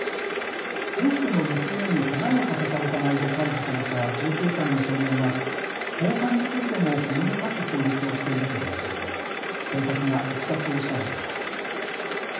夫婦の娘にけがをさせた疑いで逮捕された１９歳の少年は放火についてもほのめかす供述をしているということで警察がいきさつを調べています。